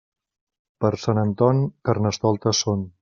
Per Sant Anton, carnestoltes són.